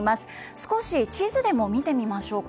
少し地図でも見てみましょうか。